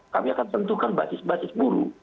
kami akan tentukan basis basis buruh